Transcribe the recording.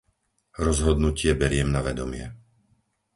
Rozhodnutie beriem na vedomie.